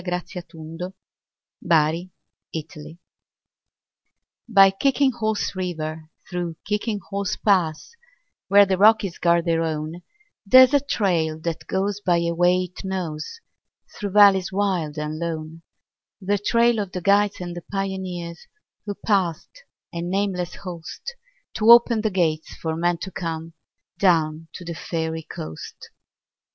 SONG OF THE KICKING HORSE By Kicking Horse River, through Kicking Horse Pass, Where the Rockies guard their own, There's a trail that goes by a way it knows Through valleys wild and lone,— The trail of the guides and the pioneers Who passed—a nameless host— To open the gates for men to come Down to the Fairy Coast.